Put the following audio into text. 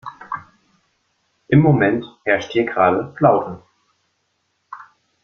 Im Moment herrscht hier gerade Flaute.